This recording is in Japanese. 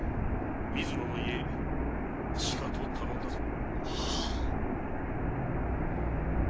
水野の家しかと頼んだぞ。